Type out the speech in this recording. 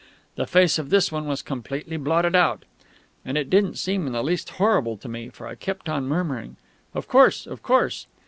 The face of this one was completely blotted out. And it didn't seem in the least horrible to me, for I kept on murmuring, "Of course, of course."